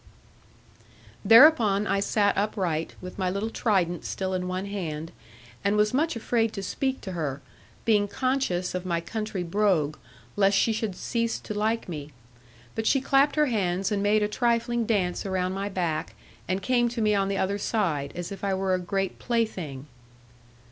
Thereupon I sate upright, with my little trident still in one hand, and was much afraid to speak to her, being conscious of my country brogue, lest she should cease to like me. But she clapped her hands, and made a trifling dance around my back, and came to me on the other side, as if I were a great plaything.